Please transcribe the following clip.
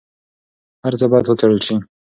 هر څه باید وڅېړل سي.